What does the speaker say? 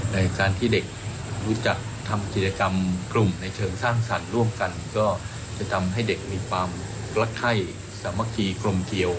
ในการที่เด็กรู้จักทำกิจกรรมกลุ่มในเชิงสร้างสรรค์ร่วมกันก็จะทำให้เด็กมีความรักไข้สามัคคีกลมเกี่ยว